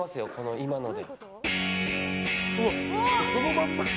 今ので。